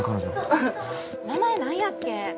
うん名前何やっけ？